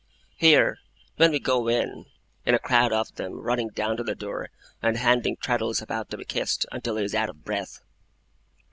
Here, when we go in, is a crowd of them, running down to the door, and handing Traddles about to be kissed, until he is out of breath.